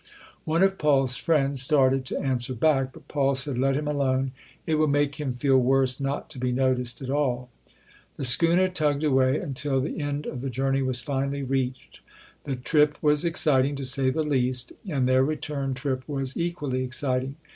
One of Paul's friends started to answer back, but Paul said, "Let him alone. It will make him feel worse not to be noticed at all". The schooner tugged away until the end of the journey was finally reached. The trip was excit ing to say the least; and their return trip was equally exciting.